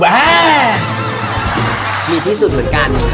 ดีที่สุดเหมือนกัน